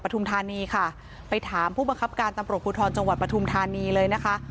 ปทุมธาณีค่ะไปถามผู้บังคับการณ์ตำปรกพุทธพูทธอนจังหวัดปทุมธานีเลยนะคะ